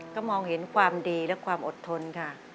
ก็มองเห็นความดีและความอดทนค่ะ